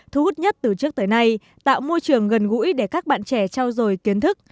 thu hút nhất từ trước tới nay tạo môi trường gần gũi để các bạn trẻ trao dồi kiến thức